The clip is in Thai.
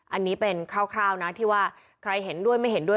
อันนี้เป็นคร่าวนะที่ว่าใครเห็นด้วยไม่เห็นด้วย